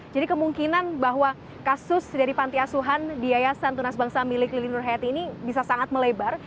jadi kemungkinan bahwa kasus dari panti asuhan di yayasan tunas bangsa milik lili nurhayati ini bisa sangat melebar